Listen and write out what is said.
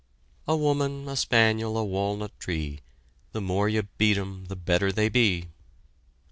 A woman, a spaniel, a walnut tree, The more you beat 'em, the better they be.